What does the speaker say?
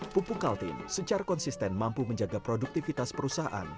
pupuk kaltim secara konsisten mampu menjaga produktivitas perusahaan